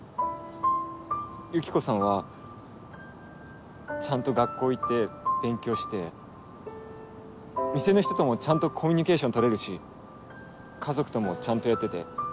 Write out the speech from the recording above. ユキコさんはちゃんと学校行って勉強して店の人ともちゃんとコミュニケーション取れるし家族ともちゃんとやってて。